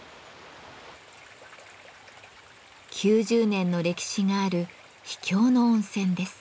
９０年の歴史がある秘境の温泉です。